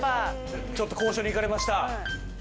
ちょっと交渉に行かれました。